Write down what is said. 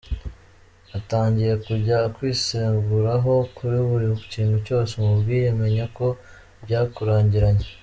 Atangiye kujya akwiseguraho kuri buri klntu cyose umubwiye, menya ko byakurangiranye.